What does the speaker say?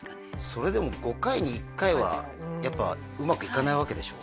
それでも５回に１回はやっぱうまくいかないわけでしょ？